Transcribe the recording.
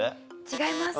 違います。